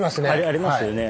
ありますよね